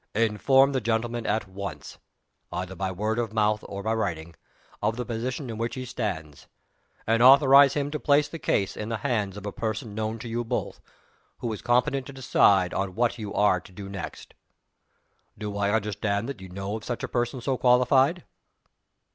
Inform the gentleman at once either by word of mouth or by writing of the position in which he stands: and authorize him to place the case in the hands of a person known to you both, who is competent to decide on what you are to do next. Do I understand that you know of such a person so qualified?"